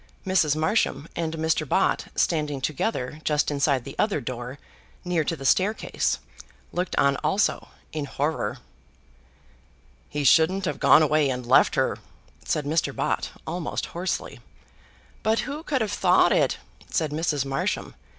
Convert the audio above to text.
Mrs. Marsham and Mr. Bott standing together just inside the other door, near to the staircase, looked on also in horror. "He shouldn't have gone away and left her," said Mr. Bott, almost hoarsely. "But who could have thought it?" said Mrs. Marsham.